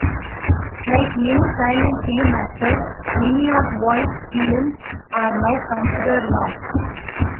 Like many silent film actors, many of White's films are now considered lost.